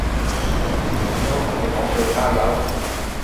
只好同你講句加油